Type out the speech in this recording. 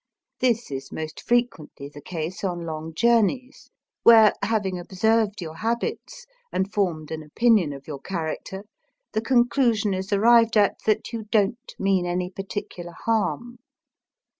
This is most frequently the case on long journeys where, having ob served your habits, and formed an opinion of your character, the conclusion is arrived at that you don't mean any particular harm.